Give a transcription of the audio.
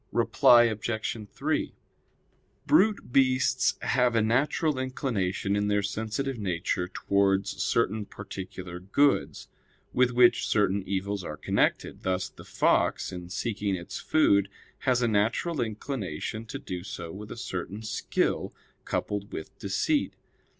Reply Obj. 3: Brute beasts have a natural inclination in their sensitive nature towards certain particular goods, with which certain evils are connected; thus the fox in seeking its food has a natural inclination to do so with a certain skill coupled with deceit.